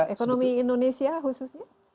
ekonomi indonesia khususnya